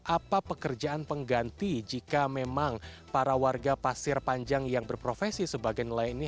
apa pekerjaan pengganti jika memang para warga pasir panjang yang berprofesi sebagainya lainnya